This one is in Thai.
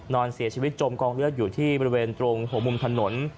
นอนเสียชีวิตจมกองเลือดอยู่ที่บริเวณตรงหัวมุมถนน